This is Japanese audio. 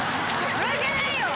呪いじゃないよ。